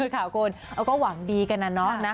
ข่าวโค้นเราก็หวังดีกันน้องนะ